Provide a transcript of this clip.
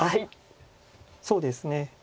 そうですね。